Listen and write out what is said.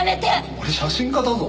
俺写真家だぞ。